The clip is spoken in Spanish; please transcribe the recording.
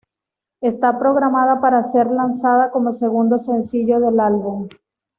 Está programada para ser lanzada como segundo sencillo del álbum.